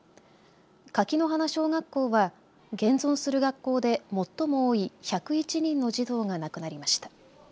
垣花小学校は現存する学校で最も多い１０１人の児童が亡くなりました。